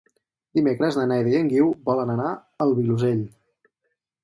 Dimecres na Neida i en Guiu volen anar al Vilosell.